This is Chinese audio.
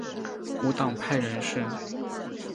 无党派人士。